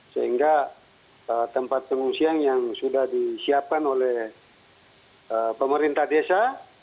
sehingga tempat pengungsian yang sudah disiapkan oleh pemerintah desa